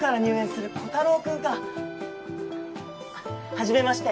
はじめまして。